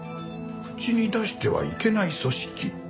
口に出してはいけない組織？